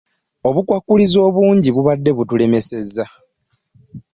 Obukwakkulizo obungi bubadde butulemesezza.